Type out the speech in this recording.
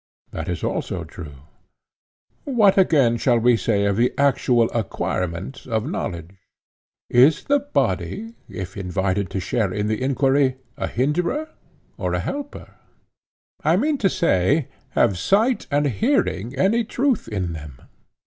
That is also true. What again shall we say of the actual acquirement of knowledge?—is the body, if invited to share in the enquiry, a hinderer or a helper? I mean to say, have sight and hearing any truth in them?